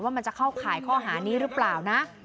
มันจะเข้าข่ายข้อหานี้หรือเปล่านะ